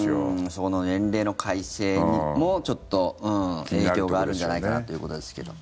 その年齢の改正もちょっと影響があるんじゃないかなっていうことですけども。